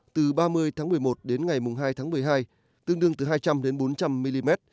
từ ba mươi tháng một mươi một đến ngày hai tháng một mươi hai tương đương từ hai trăm linh đến bốn trăm linh mm